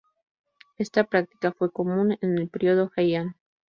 Esta práctica fue común en el período Heian.